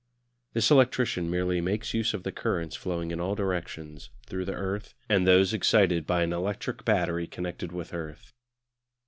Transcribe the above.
This electrician merely makes use of the currents flowing in all directions through the earth, and those excited by an electric battery connected with earth.